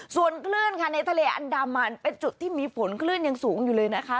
ส่วนคลื่นค่ะในทะเลอันดามันเป็นจุดที่มีฝนคลื่นยังสูงอยู่เลยนะคะ